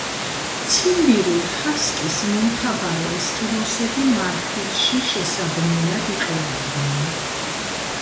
ციმბირულ ჰასკის მომთაბარე ესკიმოსები მარხილში შესაბმელად იყენებდნენ.